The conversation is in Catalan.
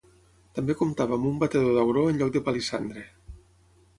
També comptava amb un batedor d'auró en lloc de palissandre.